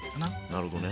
なるほどね。